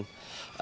kita juga berharap